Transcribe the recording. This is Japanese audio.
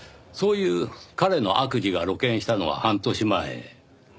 そういう彼の悪事が露見したのは半年前。